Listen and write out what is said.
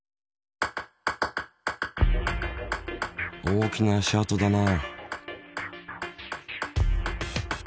大きな足跡だな。